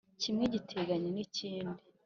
kimwe giteganye n’ikindi;